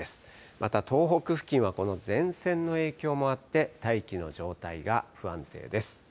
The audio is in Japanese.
また東北付近はこの前線の影響もあって、大気の状態が不安定です。